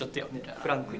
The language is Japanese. フランクに。